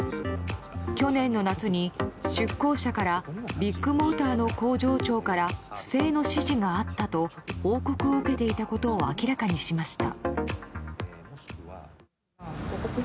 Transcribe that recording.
去年の夏に、出向者からビッグモーターの工場長から不正の指示があったと報告を受けていたことを明らかにしました。